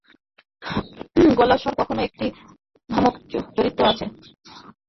গলার স্বরে কোথাও একটি ধাতব চরিত্র আছে।